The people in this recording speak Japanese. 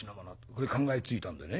これ考えついたんでね